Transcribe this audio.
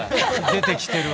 出てきてる。